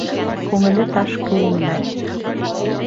Күңеле таш көйөнмәҫ.